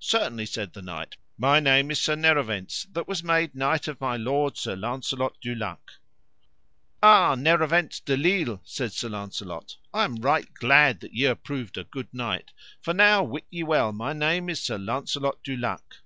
Certainly, said the knight, my name is Sir Nerovens, that was made knight of my lord Sir Launcelot du Lake. Ah, Nerovens de Lile, said Sir Launcelot, I am right glad that ye are proved a good knight, for now wit ye well my name is Sir Launcelot du Lake.